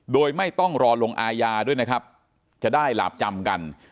โดยไม่ต้องรอลงอาญาด้วยนะครับจะได้หลาบจำกัน